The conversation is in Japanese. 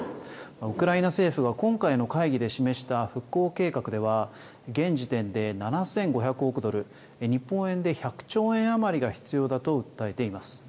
ウクライナ政府が今回の会議で示した復興計画では現時点で７５００億ドル日本円で１００兆円余りが必要だと訴えています。